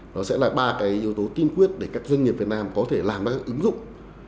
nó sẽ là ba cái yếu tố tiên quyết để các doanh nghiệp việt nam có thể làm ra các ứng dụng